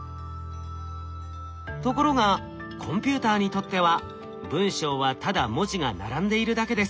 ところがコンピューターにとっては文章はただ文字が並んでいるだけです。